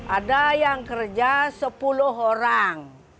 ada yang kerja sepuluh orang